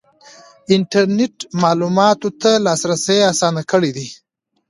انټرنیټ معلوماتو ته لاسرسی اسانه کړی دی.